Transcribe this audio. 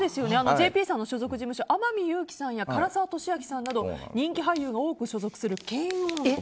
ＪＰさんの所属事務所は天海祐希さんや唐沢寿明さんなど人気俳優が多く所属する研音。